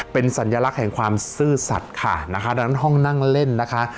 เป็นสัญลักษณ์แห่งความซื่อสัตว์ค่ะนะคะดังนั้นห้องนั่งเล่นนะคะ